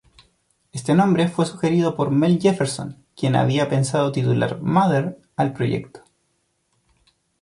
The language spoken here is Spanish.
Este nombre fue sugerido por Mel Jefferson, quien había pensado titular "Mother" al proyecto.